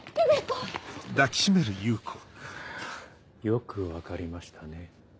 よく分かりましたね。